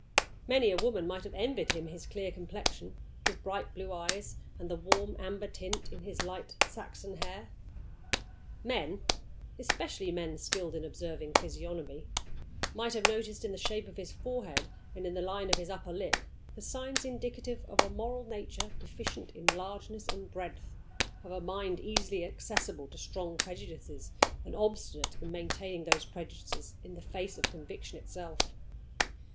Many a woman might have envied him his clear complexion, his bright blue eyes, and the warm amber tint in his light Saxon hair. Men especially men skilled in observing physiognomy might have noticed in the shape of his forehead and in the line of his upper lip the signs indicative of a moral nature deficient in largeness and breadth of a mind easily accessible to strong prejudices, and obstinate in maintaining those prejudices in the face of conviction itself.